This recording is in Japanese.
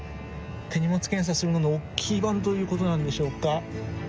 手荷物検査するのの大きい版ということでしょうか。